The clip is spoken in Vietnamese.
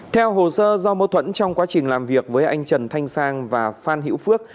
theo hồ sơ do mâu thuẫn trong quá trình làm việc với anh trần thanh sang và phan hữu phước